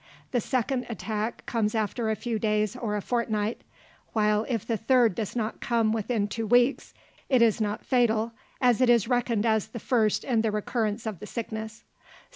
The second attack comes after a few days or a fortnight, while if the third does not come within two weeks it is not fatal as it is reckoned as the first in the recurrence of the sickness.